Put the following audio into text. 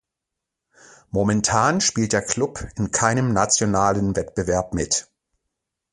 Momentan spielt der Club in keinem nationalen Wettbewerb mit.